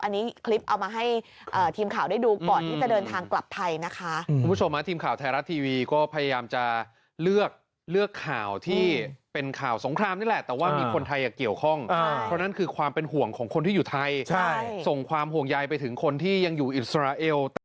อันนี้คลิปเอามาให้ทีมข่าวได้ดูก่อนที่จะเดินทางกลับไทยนะคะ